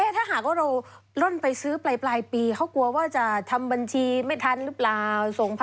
ถ้าหากว่าเราล่นไปซื้อปลายปีเขากลัวว่าจะทำบัญชีไม่ทันหรือเปล่า